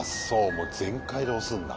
もう全開で押すんだ。